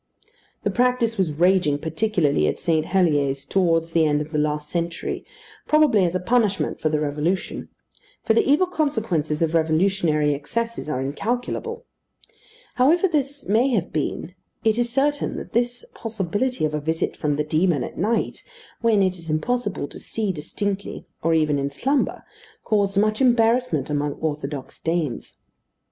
The practice was raging particularly at St. Helier's towards the end of the last century, probably as a punishment for the Revolution; for the evil consequences of revolutionary excesses are incalculable. However this may have been, it is certain that this possibility of a visit from the demon at night, when it is impossible to see distinctly, or even in slumber, caused much embarrassment among orthodox dames.